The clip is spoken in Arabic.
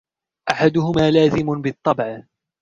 أَحَدُهُمَا لَازِمٌ بِالطَّبْعِ